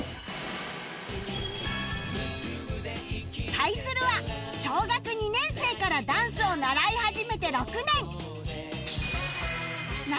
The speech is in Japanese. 対するは小学２年生からダンスを習い始めて６年